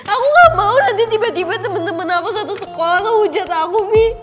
aku gak mau nanti tiba tiba temen temen aku satu sekolah tuh hujat aku mi